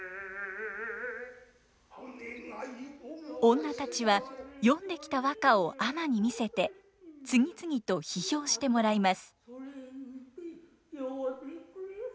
女たちは詠んできた和歌を尼に見せて次々と批評してもらいます。